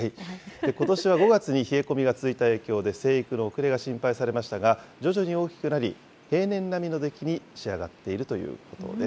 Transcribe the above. ことしは５月に冷え込みが続いた影響で、生育の遅れが心配されましたが、徐々に大きくなり、平年並みの出来に仕上がっているということです。